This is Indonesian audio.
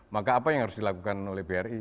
maka apa yang harus dilakukan oleh bri